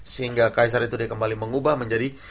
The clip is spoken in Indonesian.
sehingga kaisar itu dia kembali mengubah menjadi